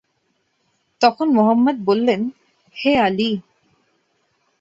তখন মুহাম্মাদ বললেন, ‘হে আলী!